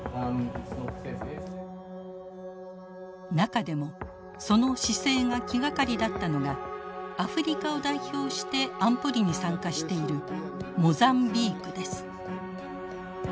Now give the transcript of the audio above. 中でもその姿勢が気がかりだったのがアフリカを代表して安保理に参加しているモザンビークです。